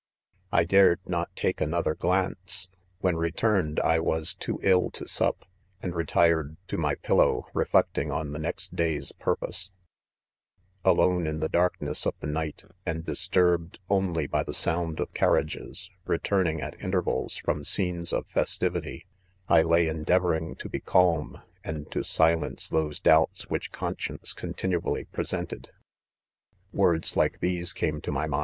C I dared not take another glance ; when re turned I was too ill to sup, and retired to my pillow, reflecting on the next day's purpose, 4 Alone in the darkness of the'night, and dis turbed only by the sound of carriages, return ing at intervals from scenes of festivity, I lay endeavoring to be calm, and. to silence those doubts which conscience continually present ed. " i Words like these came to my.